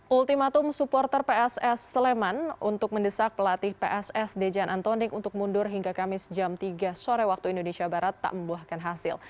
ultimatum supporter pss sleman untuk mendesak pelatih pss dejan antonik untuk mundur hingga kamis jam tiga sore waktu indonesia barat tak membuahkan hasil